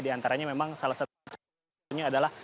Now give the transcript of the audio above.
diantaranya memang salah satunya adalah